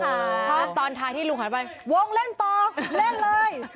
ชอบตอนท้ายที่ลุงหันไปวงเล่นต่อเล่นเลย